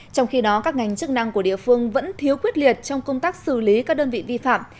trong khi đó các ngành chức năng của địa phương vẫn thiếu quyết liệt trong công tác xử lý các đơn vị vi phạm